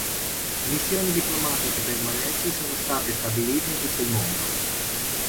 Missioni diplomatiche permanenti sono state stabilite in tutto il mondo.